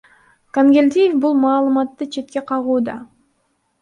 Кангелдиев бул маалыматты четке кагууда.